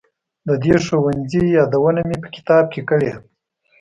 د دې ښوونځي یادونه مې په کتاب کې کړې.